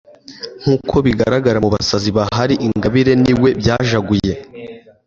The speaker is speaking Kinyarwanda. Nkuko bigaragara Mubasazi bahari Ingabire niwe byajaguye